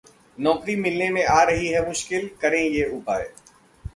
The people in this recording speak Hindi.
नौकरी मिलने में हो रही है मुश्किल? करें ये उपाय